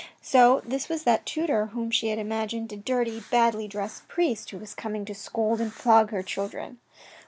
So this was that tutor whom she had imagined a dirty, badly dressed priest, who was coming to scold and flog her children.